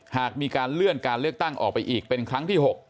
หากมีการเลื่อนการเลือกตั้งออกไปอีกเป็นครั้งที่๖